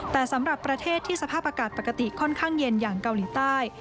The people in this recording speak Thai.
แต่สำหรับประเทศที่สภาพอากาศปกติค่อนข้างเย็นอย่างเกาหลีใต้